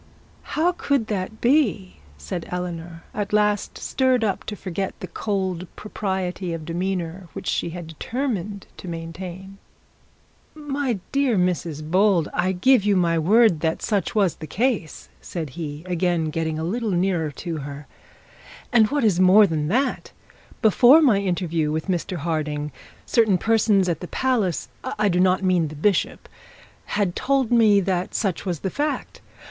'How could that be?' said Eleanor, at last stirred up to forget the cold propriety of demeanour which she had determined to maintain. 'My dear Mrs Bold, I give you my word that such was the case,' said he, again getting a little nearer to her. 'And what is more than that, before my interview with Mr Harding, certain persons at the palace, I do not mean the bishop, had told me that such was the fact.